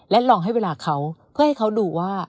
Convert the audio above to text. ลองให้เวลาเขาเพื่อให้เขาดูว่า